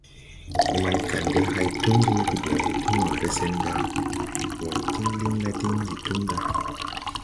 Man kandɛ hay tum ruugi ɓɛ ti wããre sen ga :« wãy tiŋ liŋ la diŋ ndi tum ɗa !».